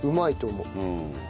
うん。